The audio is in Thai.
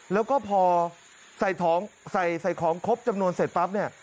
แล้วก็พอใส่ของครบจำนวนเสร็จปั๊บเนี่ย